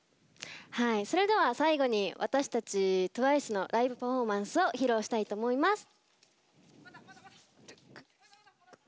それでは最後に私たちＴＷＩＣＥのライブパフォーマンスを披露したいと思います。